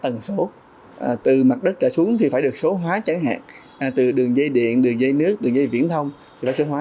tầng số từ mặt đất trở xuống thì phải được số hóa chẳng hạn từ đường dây điện đường dây nước đường dây viễn thông thì phải số hóa